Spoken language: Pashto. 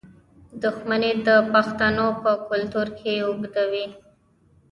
دښمني د پښتنو په کلتور کې اوږده وي.